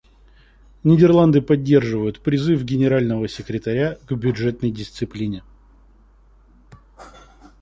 Нидерланды поддерживают призыв Генерального секретаря к бюджетной дисциплине.